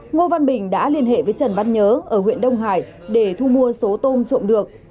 ngô văn bình đã liên hệ với trần văn nhớ ở huyện đông hải để thu mua số tôm trộm được